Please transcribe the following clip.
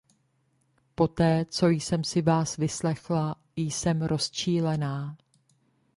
Poté co jsem si vás vyslechla, jsem rozčílená.